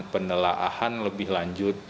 penelaahan lebih lanjut